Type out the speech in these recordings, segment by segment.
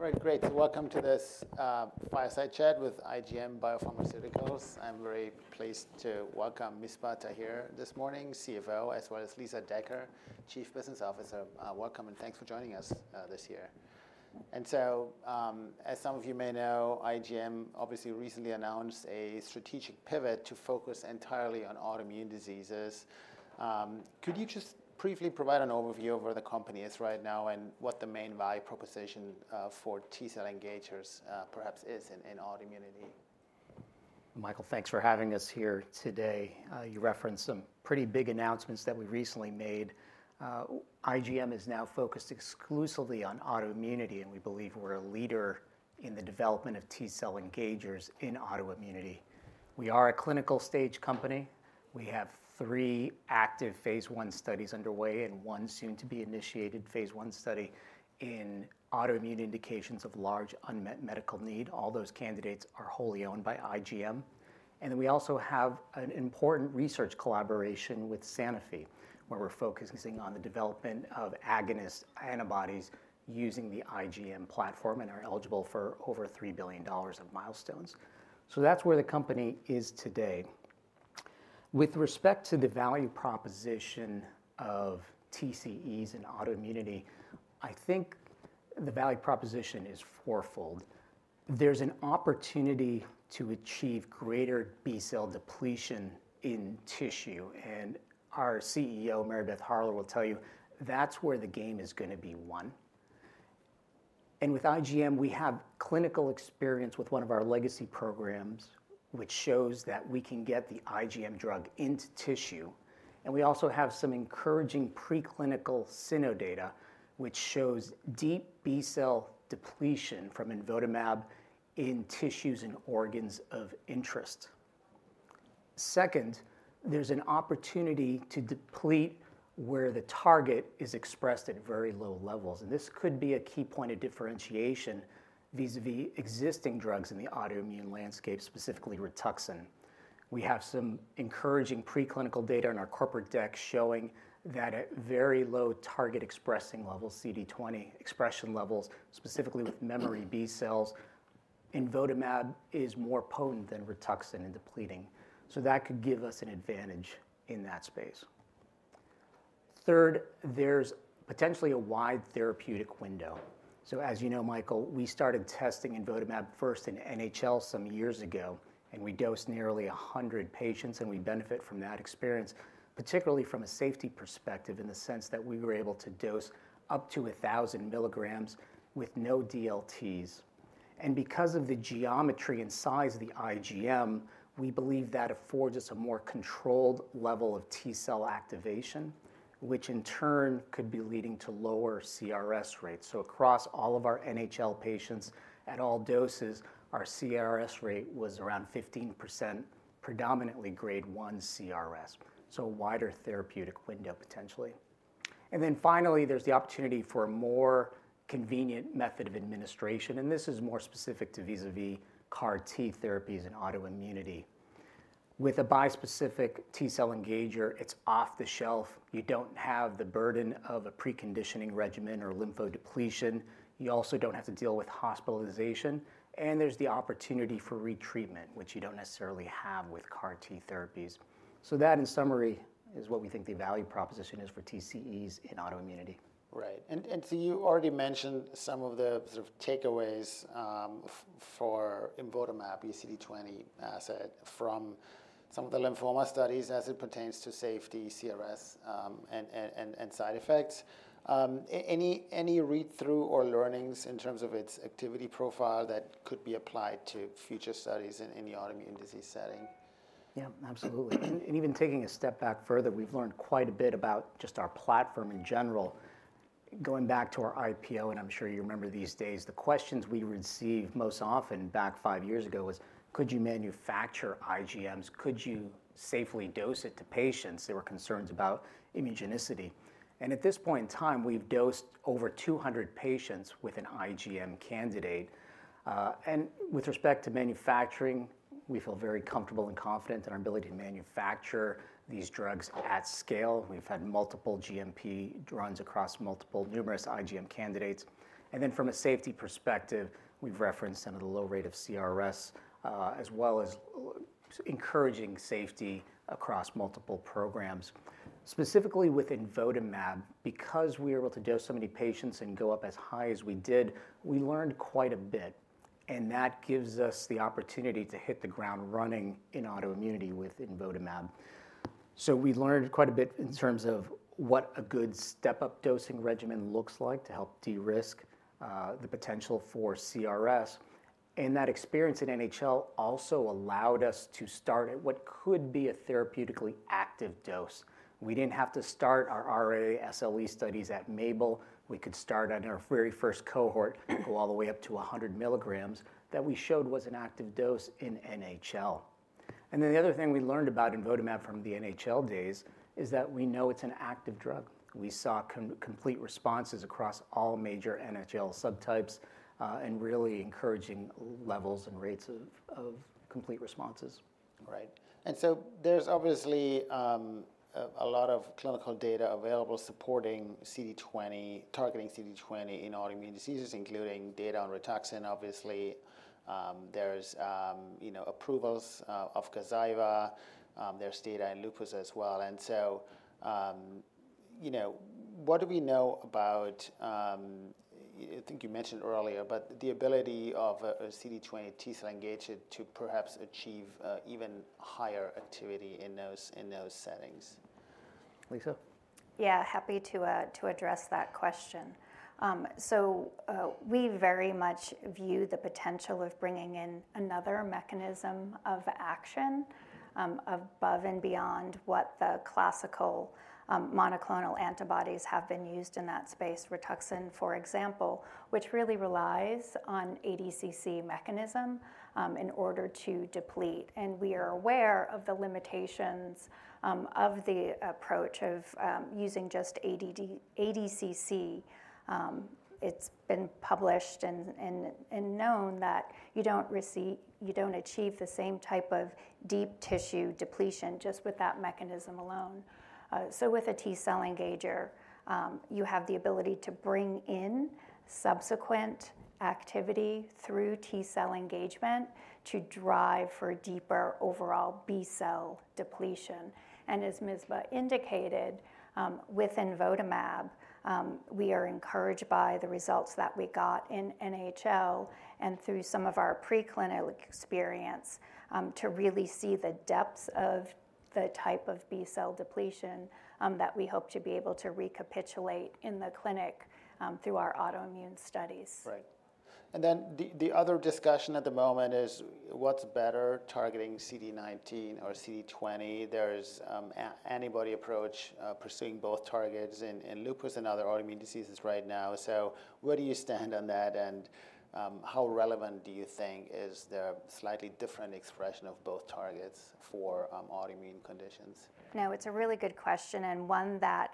All right, great. Welcome to this fireside chat with IGM Biosciences. I'm very pleased to welcome Misbah Tahir this morning, CFO, as well as Lisa Decker, Chief Business Officer. Welcome and thanks for joining us this year. And so, as some of you may know, IGM obviously recently announced a strategic pivot to focus entirely on autoimmune diseases. Could you just briefly provide an overview of where the company is right now and what the main value proposition for T-cell engagers perhaps is in autoimmunity? Michael, thanks for having us here today. You referenced some pretty big announcements that we recently made. IGM is now focused exclusively on autoimmunity, and we believe we're a leader in the development of T-cell engagers in autoimmunity. We are a clinical stage company. We have three active phase one studies underway and one soon to be initiated phase one study in autoimmune indications of large unmet medical need. All those candidates are wholly owned by IGM, and then we also have an important research collaboration with Sanofi, where we're focusing on the development of agonist antibodies using the IGM platform and are eligible for over $3 billion of milestones, so that's where the company is today. With respect to the value proposition of TCEs in autoimmunity, I think the value proposition is fourfold. There's an opportunity to achieve greater B-cell depletion in tissue. Our CEO, Mary Beth Harler, will tell you that's where the game is going to be won. And with IGM, we have clinical experience with one of our legacy programs, which shows that we can get the IGM drug into tissue. And we also have some encouraging preclinical cyno data, which shows deep B-cell depletion from Imvotamab in tissues and organs of interest. Second, there's an opportunity to deplete where the target is expressed at very low levels. And this could be a key point of differentiation vis-à-vis existing drugs in the autoimmune landscape, specifically Rituxan. We have some encouraging preclinical data on our corporate deck showing that at very low target expressing levels, CD20 expression levels, specifically with memory B-cells, Imvotamab is more potent than Rituxan in depleting. So that could give us an advantage in that space. Third, there's potentially a wide therapeutic window. So as you know, Michael, we started testing Imvotamab first in NHL some years ago, and we dosed nearly 100 patients, and we benefit from that experience, particularly from a safety perspective in the sense that we were able to dose up to 1,000 milligrams with no DLTs. And because of the geometry and size of the IgM, we believe that affords us a more controlled level of T-cell activation, which in turn could be leading to lower CRS rates. So across all of our NHL patients at all doses, our CRS rate was around 15%, predominantly grade 1 CRS. So a wider therapeutic window potentially. And then finally, there's the opportunity for a more convenient method of administration. And this is more specific to vis-à-vis CAR-T therapies in autoimmunity. With a bispecific T-cell engager, it's off the shelf. You don't have the burden of a preconditioning regimen or lymphodepletion. You also don't have to deal with hospitalization. And there's the opportunity for retreatment, which you don't necessarily have with CAR-T therapies. So that in summary is what we think the value proposition is for TCEs in autoimmunity. Right. And so you already mentioned some of the sort of takeaways for Imvotamab, CD20 asset, from some of the lymphoma studies as it pertains to safety, CRS, and side effects. Any read-through or learnings in terms of its activity profile that could be applied to future studies in the autoimmune disease setting? Yeah, absolutely. And even taking a step back further, we've learned quite a bit about just our platform in general. Going back to our IPO, and I'm sure you remember these days, the questions we received most often back five years ago was, could you manufacture IGMs? Could you safely dose it to patients? There were concerns about immunogenicity. And at this point in time, we've dosed over 200 patients with an IGM candidate. And with respect to manufacturing, we feel very comfortable and confident in our ability to manufacture these drugs at scale. We've had multiple GMP runs across multiple numerous IGM candidates. And then from a safety perspective, we've referenced some of the low rate of CRS, as well as encouraging safety across multiple programs. Specifically with Imvotamab, because we were able to dose so many patients and go up as high as we did, we learned quite a bit, and that gives us the opportunity to hit the ground running in autoimmunity with Imvotamab, so we learned quite a bit in terms of what a good step-up dosing regimen looks like to help de-risk the potential for CRS, and that experience in NHL also allowed us to start at what could be a therapeutically active dose. We didn't have to start our RA SLE studies at MABEL. We could start on our very first cohort, go all the way up to 100 milligrams that we showed was an active dose in NHL, and then the other thing we learned about Imvotamab from the NHL days is that we know it's an active drug. We saw complete responses across all major NHL subtypes and really encouraging levels and rates of complete responses. Right. And so there's obviously a lot of clinical data available supporting targeting CD20 in autoimmune diseases, including data on Rituxan, obviously. There's approvals of Gazyva. There's data in lupus as well. And so what do we know about, I think you mentioned earlier, but the ability of a CD20 T-cell engager to perhaps achieve even higher activity in those settings? Lisa? Yeah, happy to address that question. So we very much view the potential of bringing in another mechanism of action above and beyond what the classical monoclonal antibodies have been used in that space, Rituxan, for example, which really relies on ADCC mechanism in order to deplete. And we are aware of the limitations of the approach of using just ADCC. It's been published and known that you don't achieve the same type of deep tissue depletion just with that mechanism alone. So with a T-cell engager, you have the ability to bring in subsequent activity through T-cell engagement to drive for deeper overall B-cell depletion. And as Misbah indicated, with Imvotamab, we are encouraged by the results that we got in NHL and through some of our preclinical experience to really see the depths of the type of B-cell depletion that we hope to be able to recapitulate in the clinic through our autoimmune studies. Right. And then the other discussion at the moment is what's better targeting CD19 or CD20. There's an antibody approach pursuing both targets in lupus and other autoimmune diseases right now. So where do you stand on that? And how relevant do you think is the slightly different expression of both targets for autoimmune conditions? No, it's a really good question and one that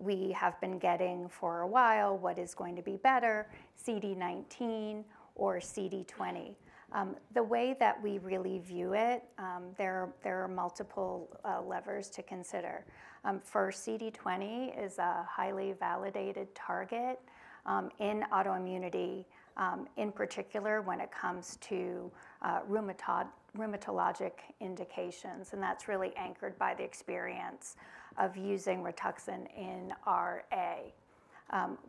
we have been getting for a while. What is going to be better, CD19 or CD20? The way that we really view it, there are multiple levers to consider. For CD20, it is a highly validated target in autoimmunity, in particular when it comes to rheumatologic indications, and that's really anchored by the experience of using Rituxan in RA.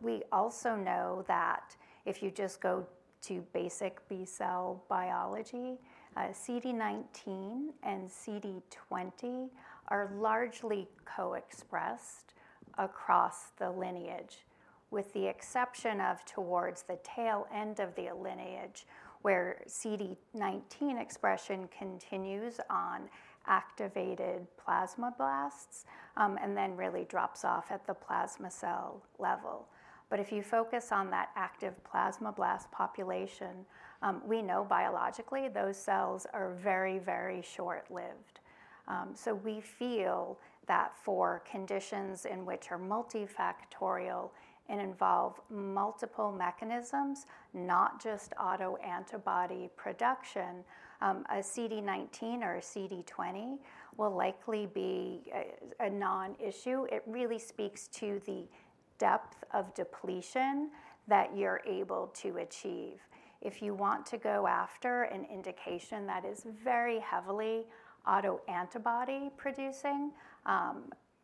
We also know that if you just go to basic B-cell biology, CD19 and CD20 are largely co-expressed across the lineage, with the exception of towards the tail end of the lineage where CD19 expression continues on activated plasmablasts and then really drops off at the plasma cell level, but if you focus on that active plasma blast population, we know biologically those cells are very, very short-lived. So we feel that for conditions in which are multifactorial and involve multiple mechanisms, not just autoantibody production, a CD19 or a CD20 will likely be a non-issue. It really speaks to the depth of depletion that you're able to achieve. If you want to go after an indication that is very heavily autoantibody producing,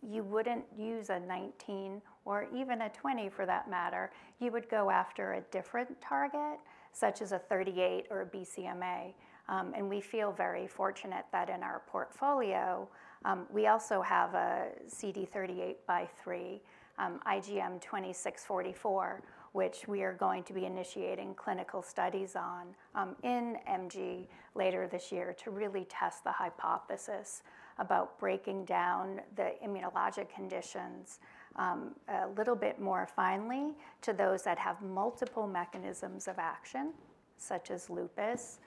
you wouldn't use a 19 or even a 20 for that matter. You would go after a different target, such as a 38 or a BCMA. We feel very fortunate that in our portfolio, we also have a CD38 x CD3, IGM-2644, which we are going to be initiating clinical studies on in MG later this year to really test the hypothesis about breaking down the immunologic conditions a little bit more finely to those that have multiple mechanisms of action, such as lupus,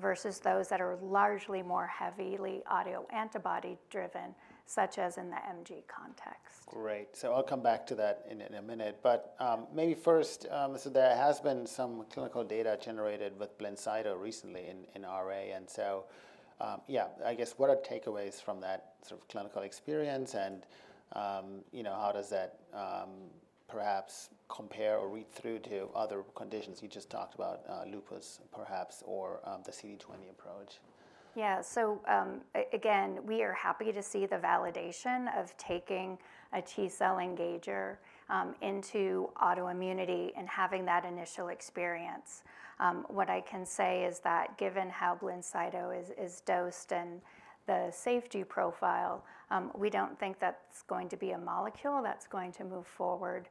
versus those that are largely more heavily autoantibody driven, such as in the MG context. Right. So I'll come back to that in a minute. But maybe first, so there has been some clinical data generated with Blincyto recently in RA. And so yeah, I guess what are takeaways from that sort of clinical experience and how does that perhaps compare or read through to other conditions you just talked about, lupus perhaps, or the CD20 approach? Yeah. So again, we are happy to see the validation of taking a T-cell engager into autoimmunity and having that initial experience. What I can say is that given how Blincyto is dosed and the safety profile, we don't think that's going to be a molecule that's going to move forward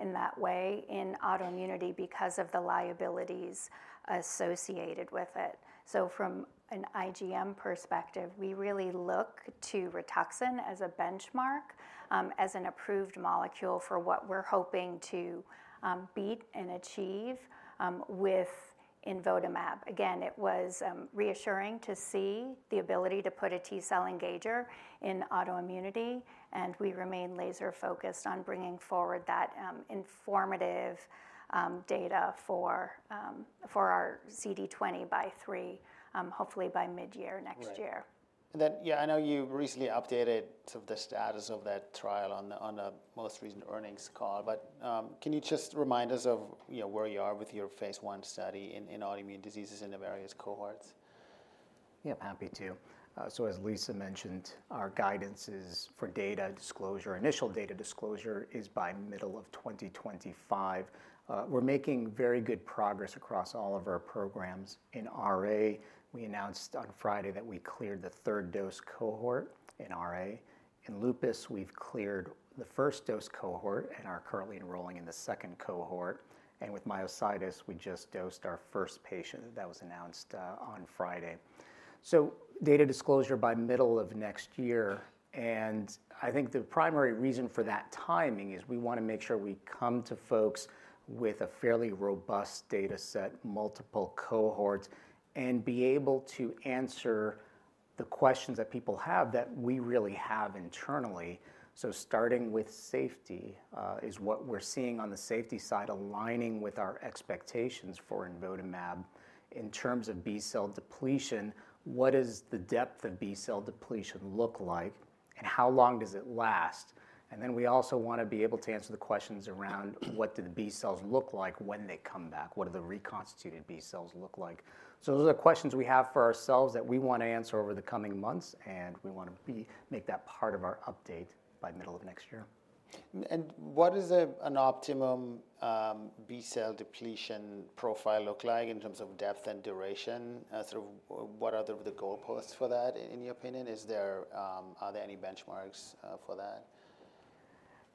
in that way in autoimmunity because of the liabilities associated with it. So from an IGM perspective, we really look to Rituxan as a benchmark, as an approved molecule for what we're hoping to beat and achieve with Imvotamab. Again, it was reassuring to see the ability to put a T-cell engager in autoimmunity. And we remain laser-focused on bringing forward that informative data for our CD20 x CD3, hopefully by mid-year next year. Then, yeah, I know you recently updated sort of the status of that trial on the most recent earnings call. But can you just remind us of where you are with your phase one study in autoimmune diseases in the various cohorts? Yeah, happy to. So as Lisa mentioned, our guidance is for data disclosure. Initial data disclosure is by middle of 2025. We're making very good progress across all of our programs. In RA, we announced on Friday that we cleared the third dose cohort in RA. In lupus, we've cleared the first dose cohort and are currently enrolling in the second cohort. And with myositis, we just dosed our first patient that was announced on Friday. So data disclosure by middle of next year. And I think the primary reason for that timing is we want to make sure we come to folks with a fairly robust data set, multiple cohorts, and be able to answer the questions that people have that we really have internally. So starting with safety is what we're seeing on the safety side, aligning with our expectations for Imvotamab in terms of B-cell depletion. What does the depth of B-cell depletion look like and how long does it last? And then we also want to be able to answer the questions around what do the B-cells look like when they come back? What do the reconstituted B-cells look like? So those are the questions we have for ourselves that we want to answer over the coming months. And we want to make that part of our update by middle of next year. What does an optimum B-cell depletion profile look like in terms of depth and duration? Sort of what are the goalposts for that in your opinion? Are there any benchmarks for that?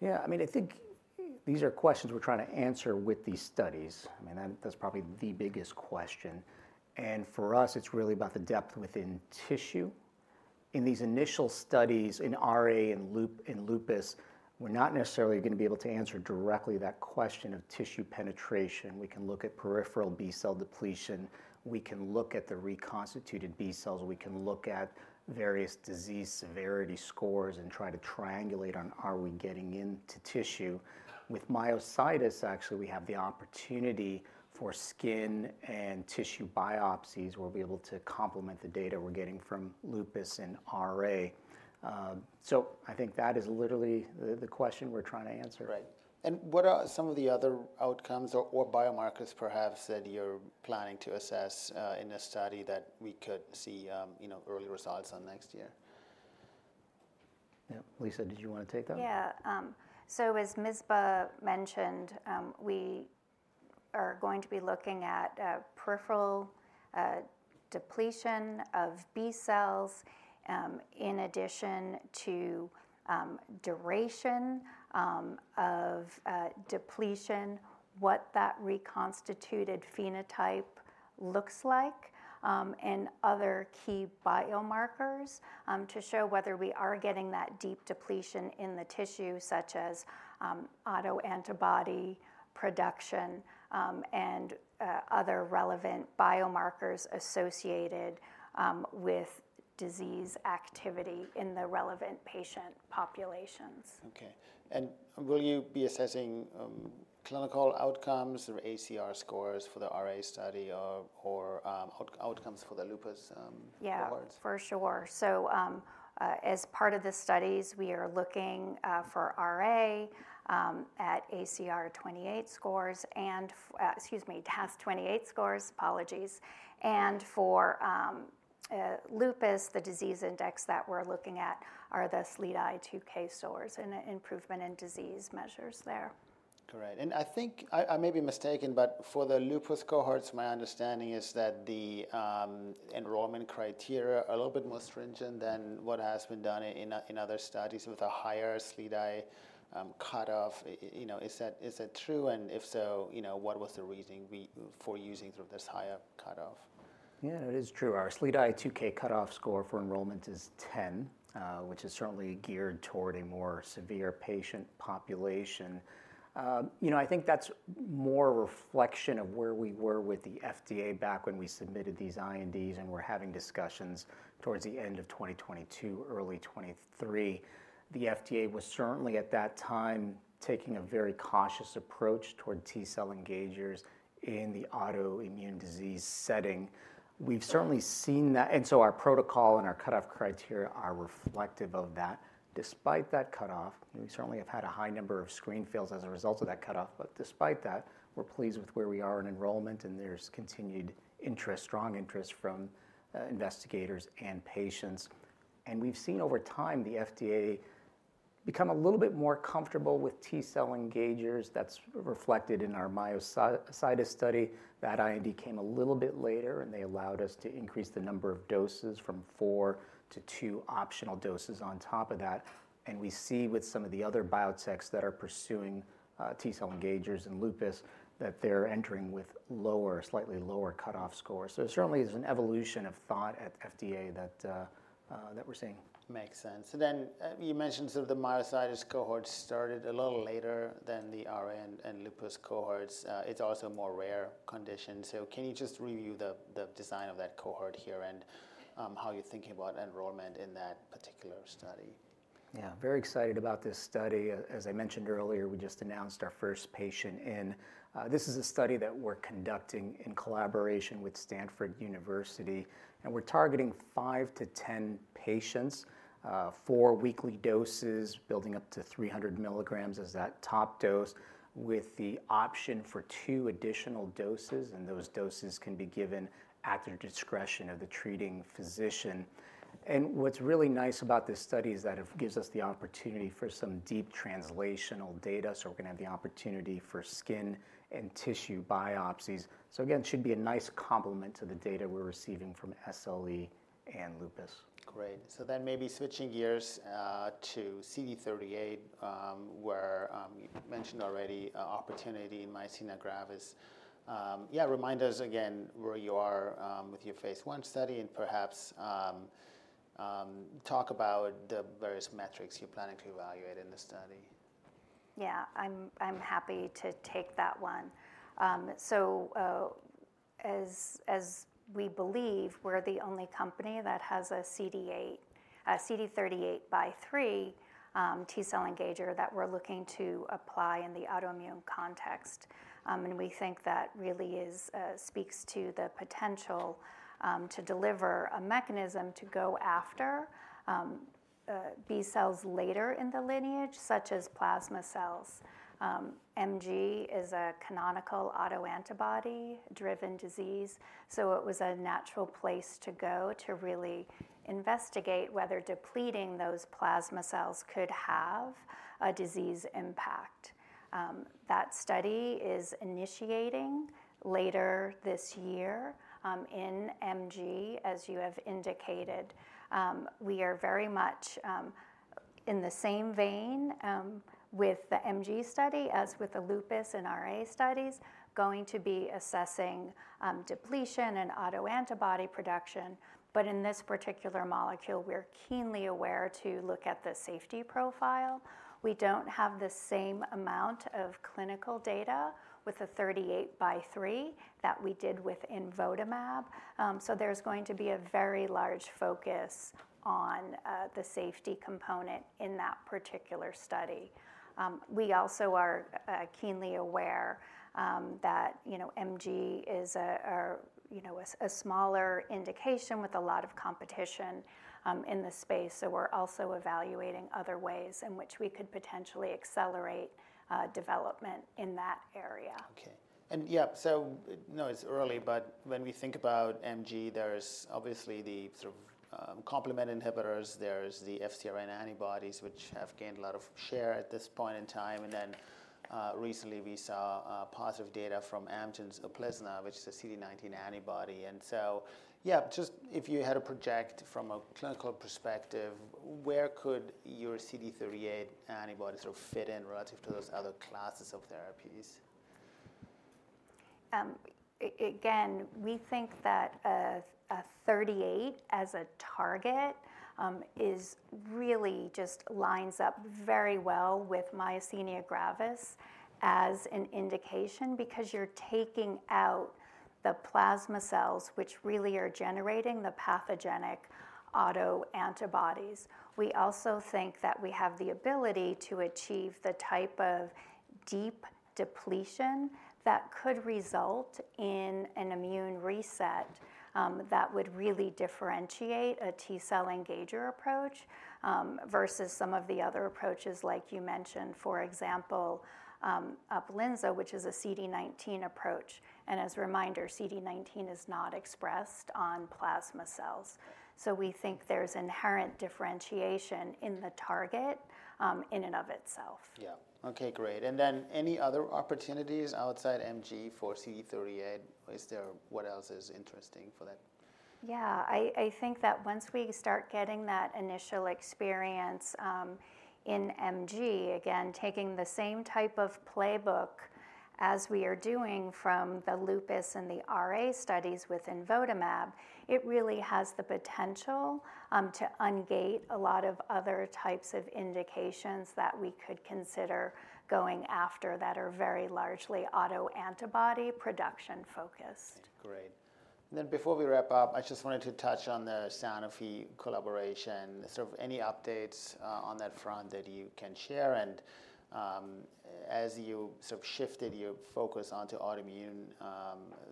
Yeah, I mean, I think these are questions we're trying to answer with these studies. I mean, that's probably the biggest question. And for us, it's really about the depth within tissue. In these initial studies in RA and lupus, we're not necessarily going to be able to answer directly that question of tissue penetration. We can look at peripheral B-cell depletion. We can look at the reconstituted B-cells. We can look at various disease severity scores and try to triangulate on are we getting into tissue. With myositis, actually, we have the opportunity for skin and tissue biopsies where we're able to complement the data we're getting from lupus and RA. So I think that is literally the question we're trying to answer. Right. And what are some of the other outcomes or biomarkers perhaps that you're planning to assess in a study that we could see early results on next year? Yeah, Lisa, did you want to take that? Yeah, so as Misbah mentioned, we are going to be looking at peripheral depletion of B-cells in addition to duration of depletion, what that reconstituted phenotype looks like, and other key biomarkers to show whether we are getting that deep depletion in the tissue, such as autoantibody production and other relevant biomarkers associated with disease activity in the relevant patient populations. Okay. And will you be assessing clinical outcomes or ACR scores for the RA study or outcomes for the lupus cohorts? Yeah, for sure. So as part of the studies, we are looking for RA at ACR 28 scores and, excuse me, DAS28 scores, apologies. And for lupus, the disease index that we're looking at are the SLEDAI-2K scores and improvement in disease measures there. Correct. And I think I may be mistaken, but for the lupus cohorts, my understanding is that the enrollment criteria are a little bit more stringent than what has been done in other studies with a higher SLEDAI-2K cutoff. Is that true? And if so, what was the reason for using sort of this higher cutoff? Yeah, it is true. Our SLEDAI-2K cutoff score for enrollment is 10, which is certainly geared toward a more severe patient population. I think that's more a reflection of where we were with the FDA back when we submitted these INDs and were having discussions towards the end of 2022, early 2023. The FDA was certainly at that time taking a very cautious approach toward T-cell engagers in the autoimmune disease setting. We've certainly seen that. And so our protocol and our cutoff criteria are reflective of that. Despite that cutoff, we certainly have had a high number of screen fails as a result of that cutoff. But despite that, we're pleased with where we are in enrollment. And there's continued interest, strong interest from investigators and patients. And we've seen over time the FDA become a little bit more comfortable with T-cell engagers. That's reflected in our myositis study. That IND came a little bit later, and they allowed us to increase the number of doses from four to two optional doses on top of that. And we see with some of the other biotechs that are pursuing T-cell engagers in lupus that they're entering with lower, slightly lower cutoff scores. So certainly, there's an evolution of thought at FDA that we're seeing. Makes sense. So then you mentioned sort of the myositis cohorts started a little later than the RA and lupus cohorts. It's also a more rare condition. So can you just review the design of that cohort here and how you're thinking about enrollment in that particular study? Yeah, very excited about this study. As I mentioned earlier, we just announced our first patient in. This is a study that we're conducting in collaboration with Stanford University, and we're targeting five to 10 patients for weekly doses, building up to 300 milligrams as that top dose, with the option for two additional doses. Those doses can be given at the discretion of the treating physician. What's really nice about this study is that it gives us the opportunity for some deep translational data. We're going to have the opportunity for skin and tissue biopsies. Again, it should be a nice complement to the data we're receiving from SLE and lupus. Great. So then maybe switching gears to CD38, where you mentioned already opportunity in myasthenia gravis. Yeah, remind us again where you are with your phase one study and perhaps talk about the various metrics you're planning to evaluate in the study. Yeah, I'm happy to take that one. So as we believe, we're the only company that has a CD38 x CD3 T-cell engager that we're looking to apply in the autoimmune context. And we think that really speaks to the potential to deliver a mechanism to go after B-cells later in the lineage, such as plasma cells. MG is a canonical autoantibody-driven disease. So it was a natural place to go to really investigate whether depleting those plasma cells could have a disease impact. That study is initiating later this year in MG, as you have indicated. We are very much in the same vein with the MG study as with the lupus and RA studies, going to be assessing depletion and autoantibody production. But in this particular molecule, we're keenly aware to look at the safety profile. We don't have the same amount of clinical data with CD38 x CD3 that we did with Imvotamab. So there's going to be a very large focus on the safety component in that particular study. We also are keenly aware that MG is a smaller indication with a lot of competition in the space. So we're also evaluating other ways in which we could potentially accelerate development in that area. Okay. And yeah, so no, it's early. But when we think about MG, there's obviously the sort of complement inhibitors. There's the FcRn antibodies, which have gained a lot of share at this point in time. And then recently, we saw positive data from Amgen's Uplizna, which is a CD19 antibody. And so yeah, just if you had to project from a clinical perspective, where could your CD38 antibody sort of fit in relative to those other classes of therapies? Again, we think that CD38 as a target really just lines up very well with myasthenia gravis as an indication because you're taking out the plasma cells, which really are generating the pathogenic autoantibodies. We also think that we have the ability to achieve the type of deep depletion that could result in an immune reset that would really differentiate a T-cell engager approach versus some of the other approaches, like you mentioned, for example, Uplizna, which is a CD19 approach. And as a reminder, CD19 is not expressed on plasma cells. So we think there's inherent differentiation in the target in and of itself. Yeah. Okay, great. And then any other opportunities outside MG for CD38? What else is interesting for that? Yeah, I think that once we start getting that initial experience in MG, again, taking the same type of playbook as we are doing from the lupus and the RA studies with Imvotamab, it really has the potential to ungate a lot of other types of indications that we could consider going after that are very largely autoantibody production focused. Great. And then before we wrap up, I just wanted to touch on the Sanofi collaboration. Sort of any updates on that front that you can share? And as you sort of shifted your focus onto autoimmune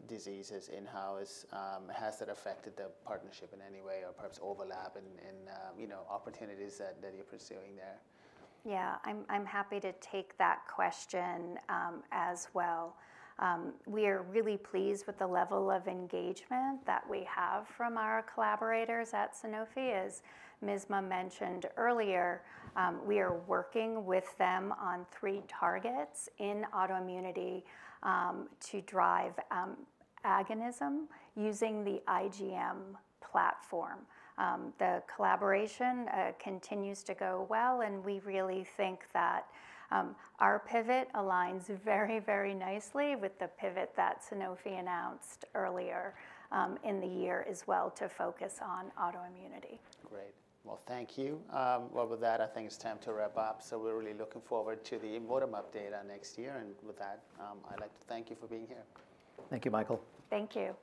diseases in-house, has that affected the partnership in any way or perhaps overlap in opportunities that you're pursuing there? Yeah, I'm happy to take that question as well. We are really pleased with the level of engagement that we have from our collaborators at Sanofi. As Misbah mentioned earlier, we are working with them on three targets in autoimmunity to drive agonism using the IGM platform. The collaboration continues to go well, and we really think that our pivot aligns very, very nicely with the pivot that Sanofi announced earlier in the year as well to focus on autoimmunity. Great. Well, thank you. Well, with that, I think it's time to wrap up. So we're really looking forward to the Imvotamab data next year. And with that, I'd like to thank you for being here. Thank you, Michael. Thank you.